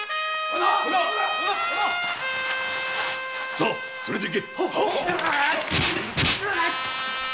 さ連れて行け！